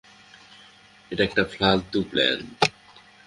এটা একটা ফালতু প্ল্যান।